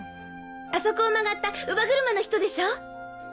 あそこを曲がった乳母車の人でしょ？